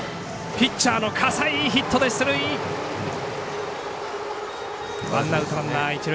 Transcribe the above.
ピッチャーの葛西ヒットで出塁！